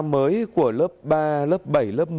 mới của lớp ba lớp bảy lớp một mươi